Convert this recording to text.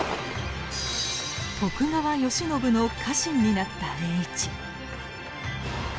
徳川慶喜の家臣になった栄一。